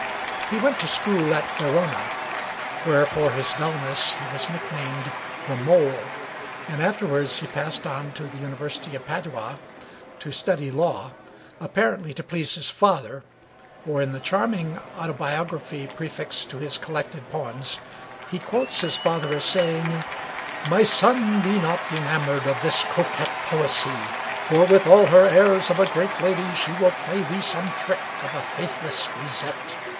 He went to school at Verona, where for his dullness he was nick named the "mole," and afterwards he passed on to the University of Padua to study law, apparently to please his father, for in the charming autobiography prefixed to his collected poems he quotes his father as saying: "My son, be not enamored of this coquette, Poesy; for with all her airs of a great lady, she will play thee some trick of a faithless grisette.